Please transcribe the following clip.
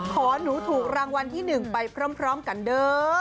ขอหนูถูกรางวัลที่๑ไปพร้อมกันเด้อ